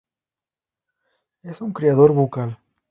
Es un criador bucal.